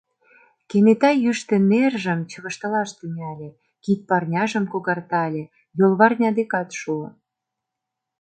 Кенета йӱштӧ нержым чывыштылаш тӱҥале, кид парняжым когартале, йолварня декат шуо.